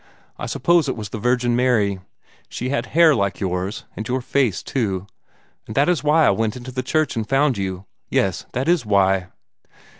I suppose it was the Virgin Mary. She had hair like yours, and your face, too; and that is why I went into the church and found you. Yes, that is why."